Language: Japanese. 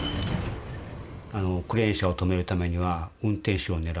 クレーン車を止めるためには運転手を狙うしかないなと。